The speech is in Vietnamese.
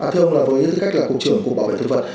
thưa ông với tư cách là cục trưởng cục bảo vệ thực vật